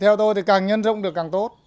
theo tôi thì càng nhân rộng được càng tốt